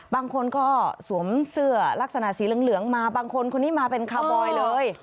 บางคนก็สวมเสื้อลักษณะสีเหลืองมาบางคนคนนี้มาเป็นคาร์บอยเลย